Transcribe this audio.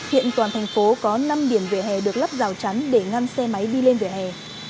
hiện toàn thành phố có năm điểm vỉa hè được lắp rào chắn để ngăn xe máy đi lên vỉa hè